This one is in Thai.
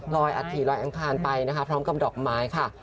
อัฐิลอยอังคารไปนะคะพร้อมกับดอกไม้ค่ะ